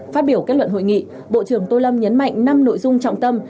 phát biểu kết luận hội nghị bộ trưởng tô lâm nhấn mạnh năm nội dung trọng tâm